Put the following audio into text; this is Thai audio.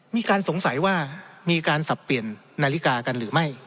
มีการสงสัยว่ามีการสับเปลี่ยนนาฬิกากันหรือไม่